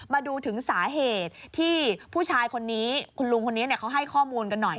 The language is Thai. มาดูถึงสาเหตุที่ผู้ชายคนนี้คุณลุงคนนี้เขาให้ข้อมูลกันหน่อย